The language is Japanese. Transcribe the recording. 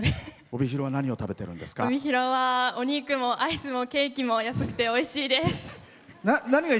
帯広はお肉もアイスもケーキも安くておいしいです。